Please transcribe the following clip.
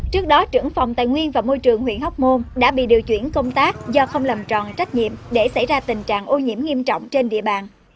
trước đó trưởng phòng tài nguyên và môi trường huyện hóc môn đã bị điều chuyển công tác do không làm tròn trách nhiệm để xảy ra tình trạng ô nhiễm nghiêm trọng trên địa bàn